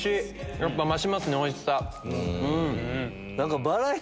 やっぱ増しますねおいしさ。